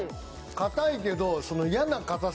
硬いけど。